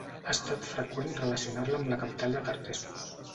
Ha estat freqüent relacionar-la amb la capital de Tartessos.